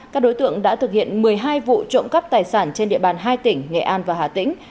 các đối tượng đã thực hiện một mươi hai vụ trộm cắp tài sản trên địa bàn hai tỉnh nghệ an và hà tĩnh